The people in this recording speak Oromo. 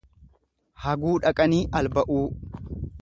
Haguu dhaqanii alba'uu.